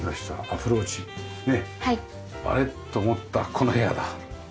あれ？と思ったこの部屋だ。